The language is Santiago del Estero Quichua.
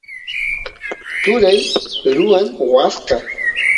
turay ruwan waska